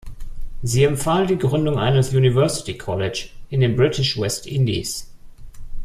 Sie empfahl die Gründung eines University College in den British West Indies.